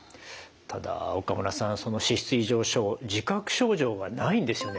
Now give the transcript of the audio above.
ただ岡村さんその脂質異常症自覚症状がないんですよね？